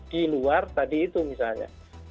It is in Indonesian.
di luar tadi itu misalnya